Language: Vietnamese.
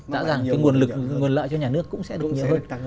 rõ ràng cái nguồn lực nguồn lợi cho nhà nước cũng sẽ được nhiều hơn